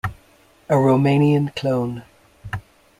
A Romanian clone.